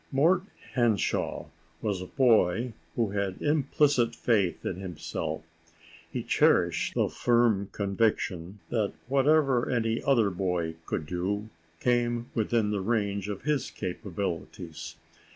* Mort Henshaw was a boy who had implicit faith in himself. He cherished the firm conviction that whatever any other boy could do came within the range of his capabilities.